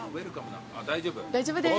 大丈夫です。